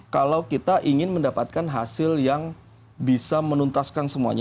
kalau kita ingin mendapatkan hasil yang bisa menuntaskan semuanya